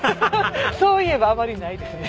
そういえばあまりないですね。